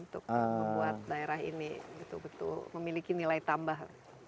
untuk membuat daerah ini betul betul memiliki nilai tambah